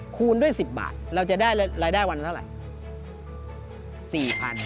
คูณด้วย๑๐บาทเราจะได้รายได้วันเท่าไหร่